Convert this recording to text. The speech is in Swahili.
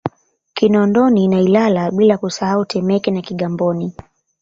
Kinondoni na Ilala bila kusahau Temeke na Kigamboni